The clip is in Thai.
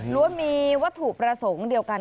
มีวัตถุประสงค์เดียวกัน